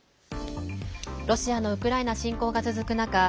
ロシアのウクライナ侵攻が続く中